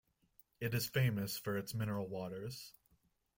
It is famous for its mineral waters.